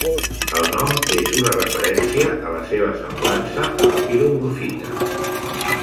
El nom és una referència a la seva semblança a la piromorfita.